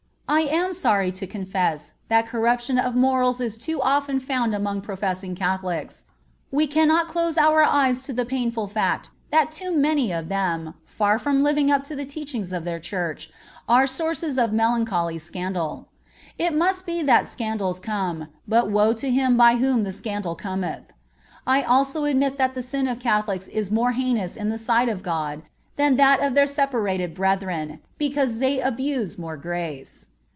I am sorry to confess that corruption of morals is too often found among professing Catholics. We cannot close our eyes to the painful fact that too many of them, far from living up to the teachings of their Church, are sources of melancholy scandal. "It must be that scandals come, but woe to him by whom the scandal cometh." I also admit that the sin of Catholics is more heinous in the sight of God than that of their separated brethren, because they abuse more grace.